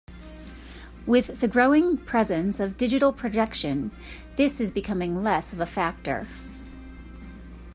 With the growing presence of digital projection, this is becoming less of a factor.